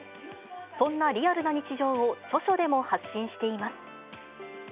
そんなリアルな日常を著書でも発信しています。